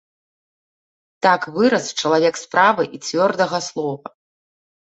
Так вырас чалавек справы і цвёрдага слова.